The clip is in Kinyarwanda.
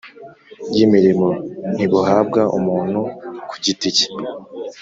y’imirimo, ntibuhabwa umuntu ku giti ke;